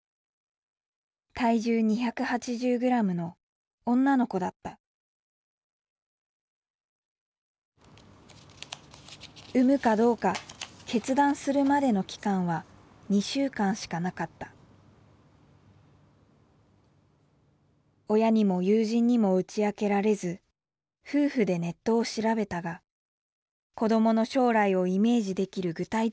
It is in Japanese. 体重２８０グラムの女の子だった生むかどうか決断するまでの期間は２週間しかなかった親にも友人にも打ち明けられず夫婦でネットを調べたが子どもの将来をイメージできる具体的な情報は見つからなかった